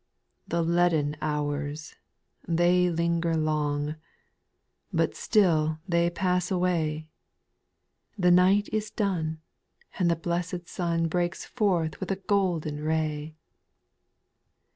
6. The leaden hours — they linger long ; But still they pass away ; The night is done, and the blessed sun Breaks forth with a golden ray.